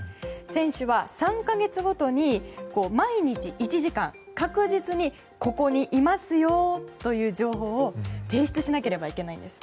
選手は３か月ごとに毎日１時間確実に、ここにいますよという情報を提出しなければいけないんです。